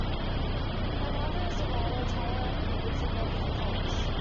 Her mother is writer Tara Elizabeth Cullis.